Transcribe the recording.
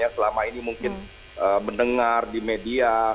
selama ini mungkin mendengar di media